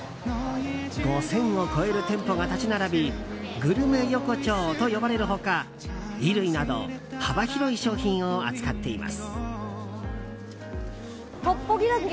５０００を超える店舗が立ち並びグルメ横丁と呼ばれる他衣類など幅広い商品を扱っています。